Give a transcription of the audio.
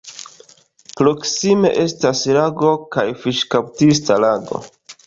Proksime estas lago kaj fiŝkaptista lago.